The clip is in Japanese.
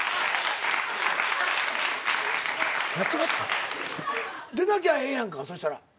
間違って？出なきゃええやんかそしたら。